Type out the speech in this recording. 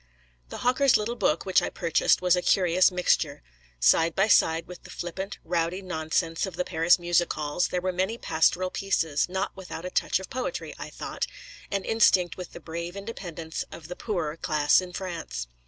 The hawker's little book, which I purchased, was a curious mixture. Side by side with the flippant, rowdy nonsense of the Paris music halls, there were many pastoral pieces, not without a touch of poetry, I thought, and instinct with the brave independence of the poorer class in France.